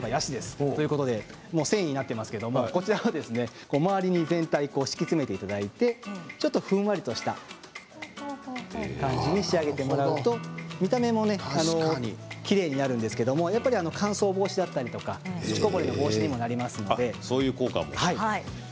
南国といえばヤシということで繊維になっていますけれども周り全体に敷き詰めていただいてちょっとふんわりとした感じに仕上げてもらうと見た目もきれいになるんですけれど乾燥防止だったり土こぼれの防止にもなりますので。